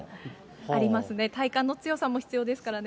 ありますね、体幹の強さも必要ですからね。